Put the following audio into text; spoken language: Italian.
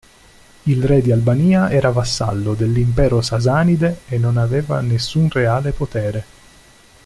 Il re di Albania era vassallo dell'Impero sasanide e non aveva nessun reale potere.